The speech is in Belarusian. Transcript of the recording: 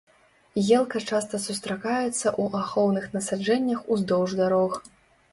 Елка часта сустракаецца ў ахоўных насаджэннях уздоўж дарог.